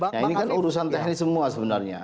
ini kan urusan teknis semua sebenarnya